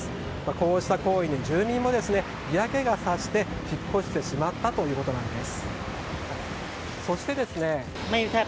こうした行為に住民も嫌気がさして引っ越してしまったということです。